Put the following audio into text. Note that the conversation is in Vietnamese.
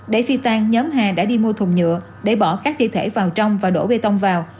để phi tan nhóm hà đã đi mua thùng nhựa để bỏ các thi thể vào trong và đổ bê tông vào